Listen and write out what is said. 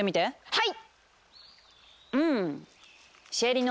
はい！